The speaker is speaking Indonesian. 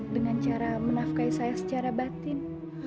dengan cara menafkai saya secara batin